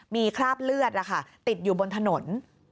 มีคราบเลือดติดอยู่บนถนน